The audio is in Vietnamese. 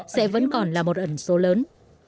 sẽ vẫn còn là một ẩn số lớn